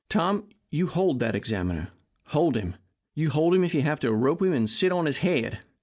Tom, you hold that examiner. Hold him. Hold him if you have to rope him and sit on his head.